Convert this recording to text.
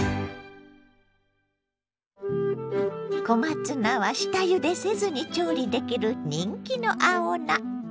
小松菜は下ゆでせずに調理できる人気の青菜。